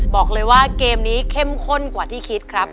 บอกเลยว่าเกมนี้เข้มข้นกว่าที่คิดครับ